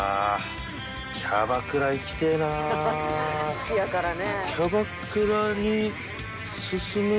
「好きやからね」